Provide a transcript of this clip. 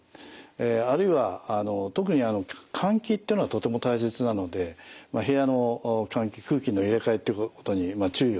あるいは特に換気っていうのはとても大切なので部屋の換気空気の入れ替えってことに注意をする。